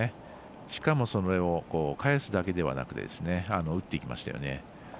しかも、それを返すだけではなく打っていきましたよね。